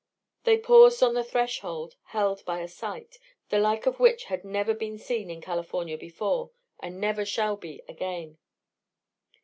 They paused on the threshold, held by a sight, the like of which had never been seen in California before, and never shall be again.